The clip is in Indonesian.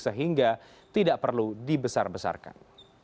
sehingga tidak perlu dibesar besarkan